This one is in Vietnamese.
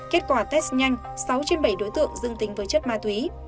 kết quả test nhanh sáu trên bảy đối tượng dương tính với chất ma túy